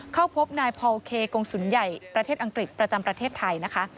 เข้าพบนายพอลเคกงศูนย์ใหญ่ประเทศอังกฤษประจำประเทศไทยนะคะ